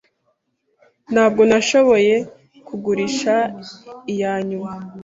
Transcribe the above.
Ntabwo nashoboye kugurisha iyanyuma.